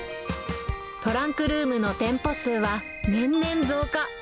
トランクルームの店舗数は年々増加。